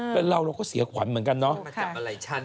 แต่เราก็เสียขวัญเหมือนกันเนาะ